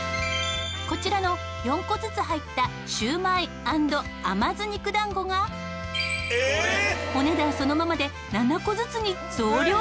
こちらの４個ずつ入ったシュウマイ＆甘酢肉団子がお値段そのままで７個ずつに増量中。